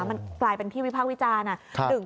มันกลายเป็นที่วิพากษ์วิจารณ์